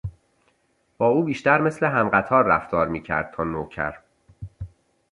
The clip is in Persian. با او بیشتر مثل همقطار رفتار میکرد تا نوکر.